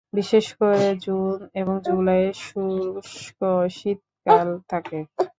বিশেষ করে জুন এবং জুলাইয়ে শুষ্ক শীতকাল থাকে।